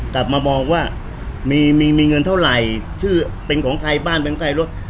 กลับมามองว่ามีมีเงินเท่าไหร่ชื่อเป็นของใครบ้านเป็นใครรถ